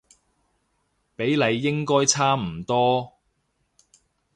比例應該差唔多